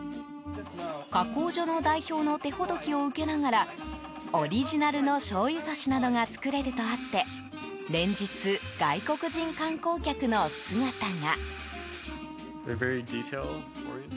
加工所の代表の手ほどきを受けながらオリジナルのしょうゆさしなどが作れるとあって連日、外国人観光客の姿が。